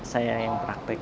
saya yang praktik